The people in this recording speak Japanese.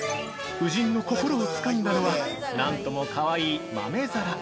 ◆夫人の心をつかんだのはなんともかわいい豆皿！